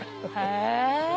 へえ。